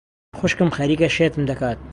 خوشکم خەریکە شێتم دەکات.